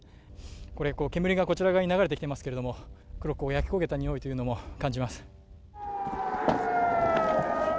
これ、煙がこちらに流れていますけれども、黒く焼け焦げたにおいが感じられます。